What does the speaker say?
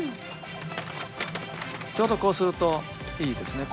ちょうどこうするといいですね。